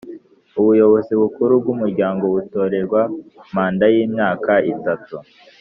Ubuyobozi bukuru bw’umuryango butorerwa manda y’imyaka itatu